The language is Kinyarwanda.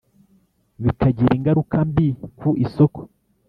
bikagira ingaruka mbi ku isoko